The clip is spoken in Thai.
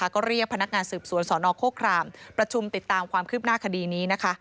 ก็เรียกพนักงานสืบสวนสนโฆครามประชุมติดตามความคืบหน้าคดีนี้นะคะ